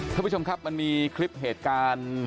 ท่านผู้ชมครับมันมีคลิปเหตุการณ์